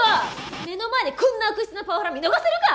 目の前でこんな悪質なパワハラ見逃せるか！